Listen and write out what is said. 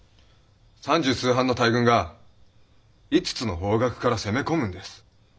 三十数藩の大軍が５つの方角から攻め込むんです。